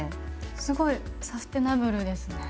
すごいサステナブルですね。